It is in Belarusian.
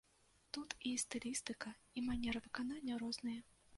Тут і стылістыка, і манера выканання розныя.